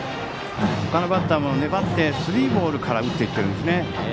他のバッターも粘ってスリーボールから打っていっているんですね。